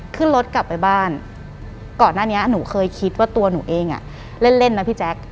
ขึ้นรถกลับไปบ้านก่อนหน้านี้หนูเคยคิดว่าตัวหนูเองอ่ะเล่นเล่นนะพี่แจ๊ค